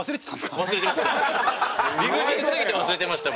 忘れてました。